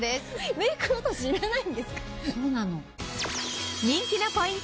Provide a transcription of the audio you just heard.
メイク落としいらないんですか？